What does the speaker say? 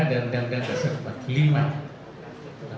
dan undang undang seribu sembilan ratus empat puluh lima